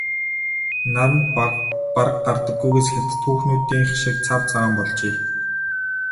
Наранд бараг гардаггүйгээс хятад хүүхнүүдийнх шиг цав цагаан болжээ.